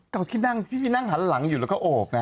ก็เพียงนั่งพี่พี่นั่งถ้าหลังอยู่แล้วก็อบน่ะ